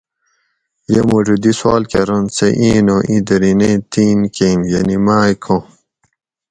یہ مُٹو دی سوال کرنت سہۤ اِیں نُوں اِیں درین ایں تِین کیم؟ یعنی ماۤئ کام؟